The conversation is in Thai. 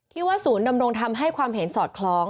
ที่ว่าศูนย์ดำรงภูเก็ตทำให้ความเห็นสอดคล้อง